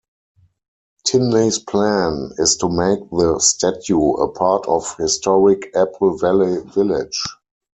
Tinsley's plan is to make the statue a part of historic Apple Valley Village.